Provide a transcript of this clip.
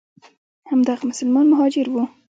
همدغه مسلمان مهاجر وو.